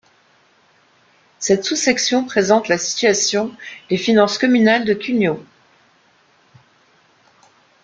Cette sous-section présente la situation des finances communales de Cugnaux.